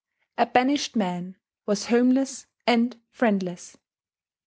A banished man was homeless and friendless.